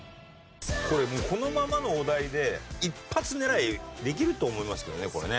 これもうこのままのお題で一発狙いできると思いますけどねこれね。